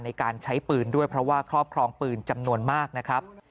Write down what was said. ในการใช้ปืนด้วยเพราะว่าครอบครองปืนจำนวนมากนะครับ